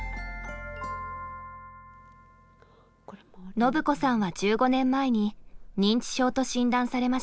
ノブ子さんは１５年前に認知症と診断されました。